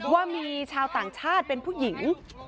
ว่ามีชาวต่างชาติเป็นผู้หญิง